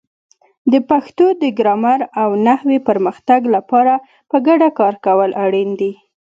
د پښتو د ګرامر او نحوې پرمختګ لپاره په ګډه کار کول اړین دي.